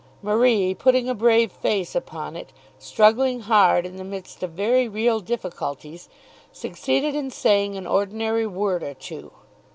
Marie, putting a brave face upon it, struggling hard in the midst of very real difficulties, succeeded in saying an ordinary word or two.